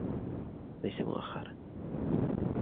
ليس مؤخرا